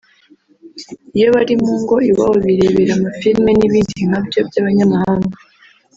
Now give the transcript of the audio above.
iyo bari mu ngo iwabo birebera amafilime n’ibindi nkabyo by’abanyamahanga